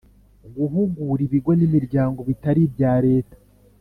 guhugura ibigo n’imiryango bitari ibya leta